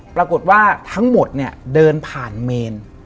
ปรากฏว่าทั้งหมดเนี่ยเดินผ่านเมน